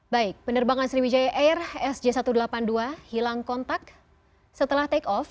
baik penerbangan sriwijaya air sj satu ratus delapan puluh dua hilang kontak setelah take off